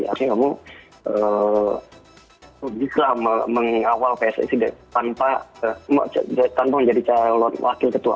artinya kamu bisa mengawal pssi tanpa menjadi laki ketua